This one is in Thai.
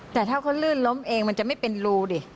แต่ถ้าเขาลื่นล้มเองมันจะไม่เป็นรูดิ